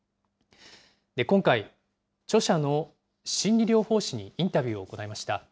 今回、著者の心理療法士にインタビューを行いました。